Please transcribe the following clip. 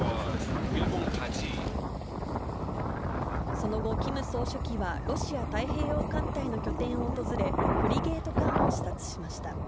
その後、キム総書記はロシア太平洋艦隊の拠点を訪れ、フリゲート艦を視察しました。